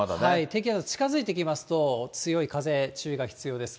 低気圧近づいてきますと、強い風、注意が必要です。